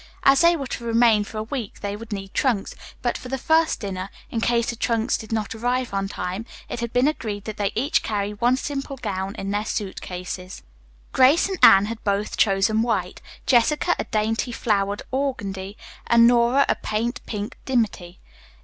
As they were to remain for a week, they would need trunks, but for the first dinner, in case the trunks did not arrive on time, it had been agreed that they each carry one simple gown in their suit cases. Grace and Anne had both chosen white, Jessica a dainty flowered organdie, and Nora a pale pink dimity.